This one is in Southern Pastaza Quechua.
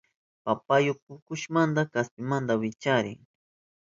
Papayu pukushpanka kaspimanta wicharin.